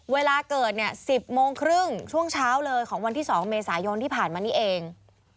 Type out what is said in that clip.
เวลาเกิดเนี่ย๑๐โมงครึ่งช่วงเช้าเลยของวันที่๒เมษายนที่ผ่านมานี้เอง